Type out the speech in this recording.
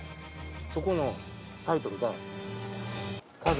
そこのタイトルが。